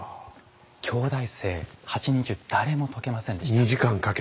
京大生８人中誰も解けませんでした。